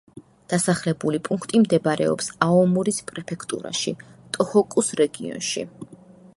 დასახლებული პუნქტი მდებარეობს აომორის პრეფექტურაში, ტოჰოკუს რეგიონში.